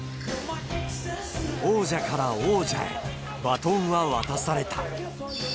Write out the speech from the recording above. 王者から王者へ、バトンは渡された。